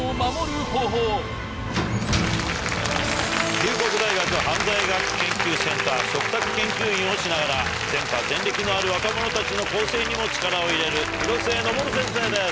龍谷大学犯罪学研究センター嘱託研究員をしながら前科前歴のある若者たちの更生にも力を入れる廣末登先生です。